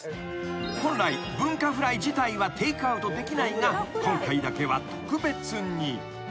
［本来文化フライ自体はテークアウトできないが今回だけは特別に］